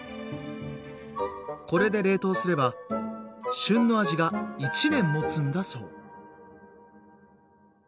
これで冷凍すれば旬の味が１年もつんだそう。